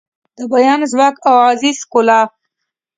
د بیان ځواک او غږیز ښکلا